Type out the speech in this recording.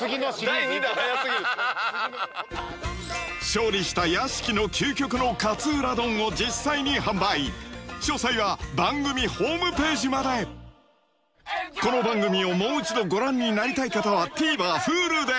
勝利した屋敷の究極の勝浦丼を実際に販売詳細は番組ホームページまでこの番組をもう一度ご覧になりたい方はＴＶｅｒＨｕｌｕで